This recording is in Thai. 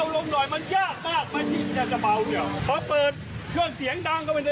น้องก็ตกใจหันไปหลบแล้วร้องไห้อืมเบาเสียงดังเลยบอกว่าโอ้ยเสียงดังอยู่เลย